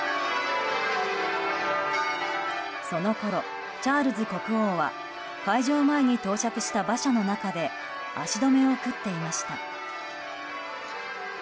そのころ、チャールズ国王は会場前に到着した馬車の中で足止めを食っていました。